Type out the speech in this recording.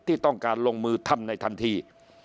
ที่ต้องการลงมือทำในทันที